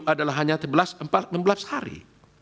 adalah hanya enam belas hari